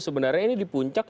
sebenarnya ini di puncak